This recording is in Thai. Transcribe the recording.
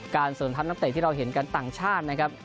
เสริมทัพนักเตะที่เราเห็นกันต่างชาตินะครับ